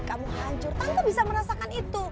kamu hancur tanpa bisa merasakan itu